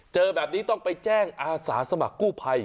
เจอแบบนี้ต้องไปแจ้งอาสาสมัครกู้ภัย